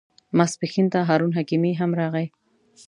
ماپښین ته هارون حکیمي هم راغی.